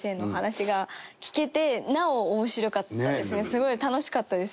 すごい楽しかったです。